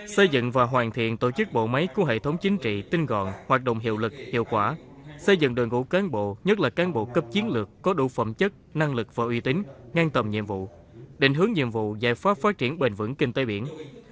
xây dựng và hoàn thiện tổ chức bộ máy của hệ thống chính trị tinh gọn hoạt động hiệu lực hiệu quả xây dựng đội ngũ cán bộ nhất là cán bộ cấp chiến lược có đủ phẩm chất năng lực và uy tín ngang tầm nhiệm vụ định hướng nhiệm vụ giải pháp phát triển bền vững kinh tế biển